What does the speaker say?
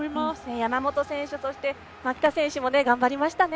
山本選手、蒔田選手も頑張りましたね。